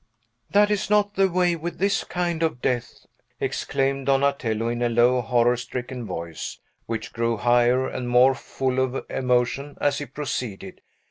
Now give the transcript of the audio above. "That is not the way with this kind of death!" exclaimed Donatello, in a low, horror stricken voice, which grew higher and more full of emotion as he proceeded.